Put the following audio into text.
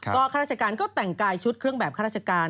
ก็ข้าราชการก็แต่งกายชุดเครื่องแบบข้าราชการ